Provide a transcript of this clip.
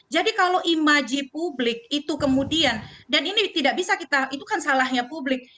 jadi kalau imaji publik itu kemudian dan ini tidak bisa kita itu kan salahnya publik